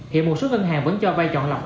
hiện một số ngân hàng vẫn cho vay chọn lọc